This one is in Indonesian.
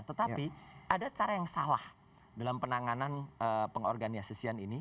tetapi ada cara yang salah dalam penanganan pengorganisasian ini